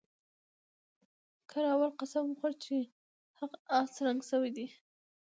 کراول قسم وخوړ چې هغه اس رنګ شوی دی.